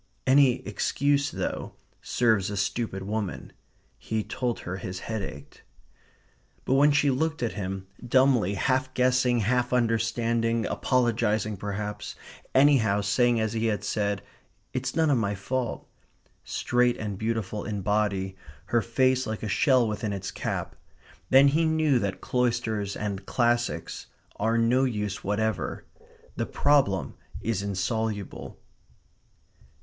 Any excuse, though, serves a stupid woman. He told her his head ached. But when she looked at him, dumbly, half guessing, half understanding, apologizing perhaps, anyhow saying as he had said, "It's none of my fault," straight and beautiful in body, her face like a shell within its cap, then he knew that cloisters and classics are no use whatever. The problem is insoluble.